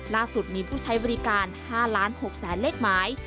ล่าสุดมีผู้ใช้บริการ๕ล้าน๖แสนเลขหมาย